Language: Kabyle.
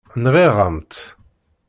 Nɣiɣ-am-tt.